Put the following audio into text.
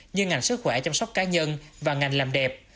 như ngành sức khỏe chăm sóc cá nhân và ngành làm đẹp